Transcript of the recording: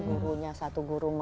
gurunya satu guru